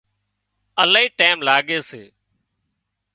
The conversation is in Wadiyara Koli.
الاهي ٽيم لاڳي سي